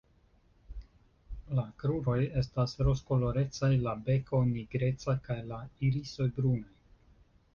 La kruroj estas rozkolorecaj, la beko nigreca kaj la irisoj brunaj.